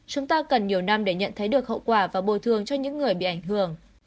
chúng ta cần nhiều năm để nhận thấy được hậu quả và bồi thường cho những người bị ảnh hưởng